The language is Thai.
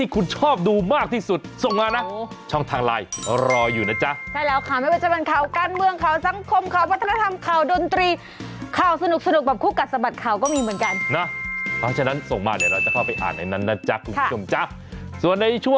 คู่กัดสมัดข่าว